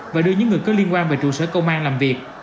và đưa những người có liên quan về trụ sở công an làm việc